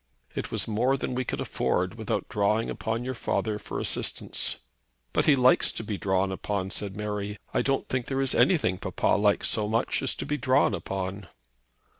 It was more than we could afford without drawing upon your father for assistance." "But he likes being drawn upon," said Mary. "I don't think there is anything papa likes so much as to be drawn upon."